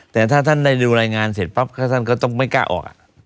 แต่ถ้าต้นได้ดูรายงานเสร็จป๊กก็จะต้องไม่กล๊าออก